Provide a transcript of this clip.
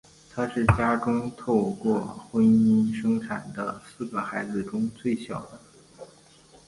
他是家中透过婚姻生产的四个孩子中最小的。